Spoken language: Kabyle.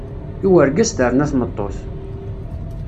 I urgaz terna tmeṭṭut.